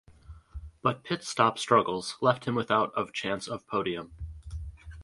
But pit stop struggles left him without of chance of podium.